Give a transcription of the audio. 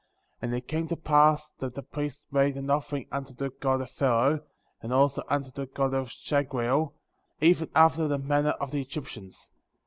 And it came to pass that the priest made an offering unto the god of Pharaoh,^ and also unto the god of Shagreel, even after the manner of the Egyptians.